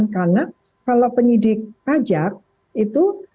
karena kalau penyidik pajak itu